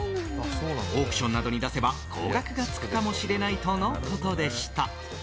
オークションなどに出せば高額がつくかもしれないとのことでした。